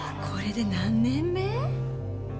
これで何年目？